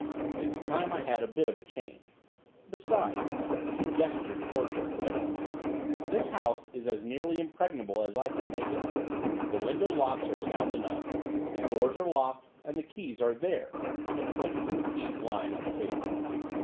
"It's time I had a bit of a change. Besides," she gestured toward her defenses, "this house is as nearly impregnable as I can make it. The window locks are sound enough, the doors are locked, and the keys are there," she pointed to the keys lying on the table.